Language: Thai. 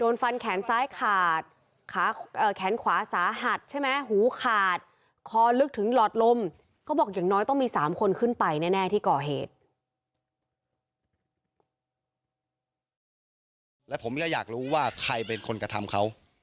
แล้วผมก็อยากรู้ว่าใครเป็นคนกระทำเขา